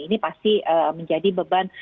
ini pasti menjadi beban